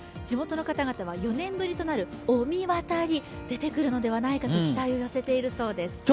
地元の方々は４年ぶりとなる御神渡り、出てくるのではないかと期待を寄せているようです。